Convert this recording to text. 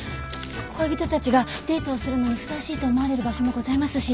恋人たちがデートをするのにふさわしいと思われる場所もございますし。